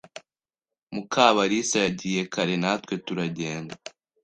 Mukabarisa yagiye kare, natwe turagenda.